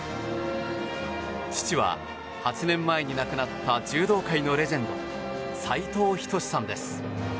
父は８年前に亡くなった柔道界のレジェンド斉藤仁さんです。